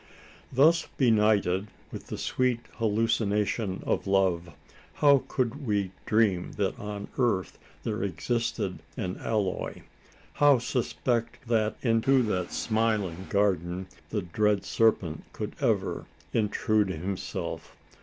Thus benighted with the sweet hallucination of love, how could we dream that on earth there existed an alloy? How suspect that into that smiling garden the dread serpent could ever intrude himself?